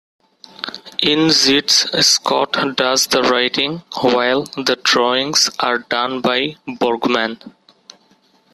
In "Zits", Scott does the writing, while the drawings are done by Borgman.